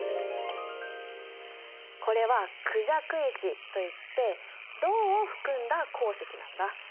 これはクジャク石といって銅を含んだ鉱石なんだ。